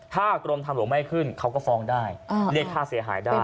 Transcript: ถ้ากรมทางหลวงไม่ขึ้นเขาก็ฟ้องได้เรียกค่าเสียหายได้